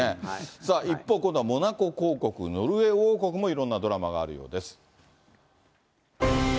さあ、一方今度はモナコ公国、ノルウェー王国もいろんなドラマがあるようです。